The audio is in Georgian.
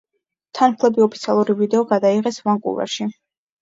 თანმხლები ოფიციალური ვიდეო გადაიღეს ვანკუვერში.